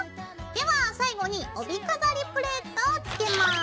では最後に帯飾りプレートを付けます。